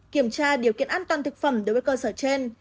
kiểm tra điều kiện an toàn thực phẩm đối với cơ sở trên